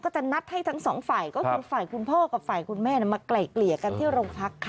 จะนัดให้ทั้งสองฝ่ายก็คือฝ่ายคุณพ่อกับฝ่ายคุณแม่มาไกล่เกลี่ยกันที่โรงพักค่ะ